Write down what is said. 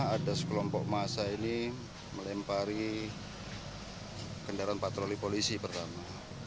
ada sekelompok masa ini melempari kendaraan patroli polisi pertama